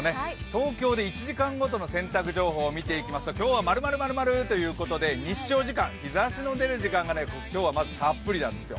東京で１時間ごとの洗濯情報を見ていきますと今日は○○○○ということで日照時間、日ざしの出る時間が今日はまずたっぷりなんです。